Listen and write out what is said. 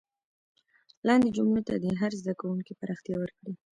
لاندې جملو ته دې هر زده کوونکی پراختیا ورکړي.